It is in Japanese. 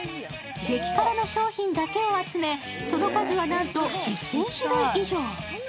激辛の商品だけを集め、その数はなんと１０００種類以上。